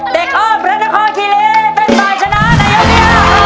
เด็กอ้อมและน้องคอลคีรีเป็นตายชนะในยกที่๕